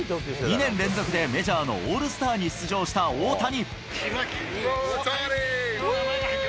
２年連続でメジャーのオールスターに出場した大谷。